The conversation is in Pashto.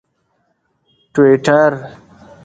ټویټر